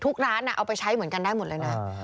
ทุกร้านน่ะเอาไปใช้เหมือนกันได้หมดเลยเนี่ย